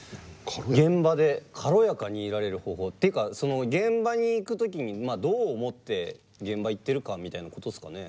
現場で軽やかにいられる方法。っていうかその現場に行く時にどう思って現場行ってるかみたいなことですかね？